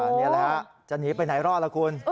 อ๋อนี่แหละครับจะหนีไปไหนรอดล่ะคุณ